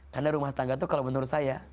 karena rumah tangga itu kalau menurut saya